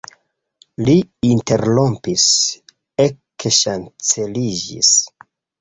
Li interrompis, ekŝanceliĝis.